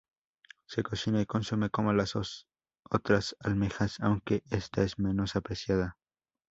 Se cocina y consume como las otras almejas, aunque esta es menos apreciada.